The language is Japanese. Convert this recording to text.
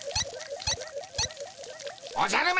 おじゃる丸！